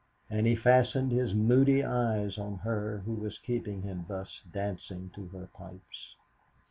And he fastened his moody eyes on her who was keeping him thus dancing to her pipes.